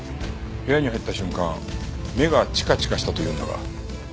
部屋に入った瞬間目がチカチカしたというんだが。